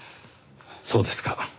そうですか。